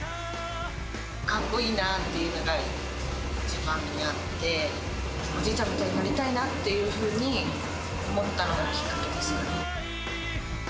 かっこいいなっていうのが、一番にあって、おじいちゃんみたいになりたいなっていうふうに思ったのがきっかけですね。